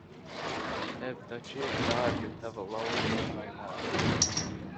Tev taču ir dārga tava laulība, vai ne?